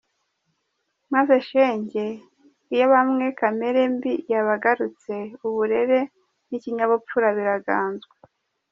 Maze shenge iyo bamwe kamere mbi yabasagutse, uburere n’ikinyabupfura biraganzwa.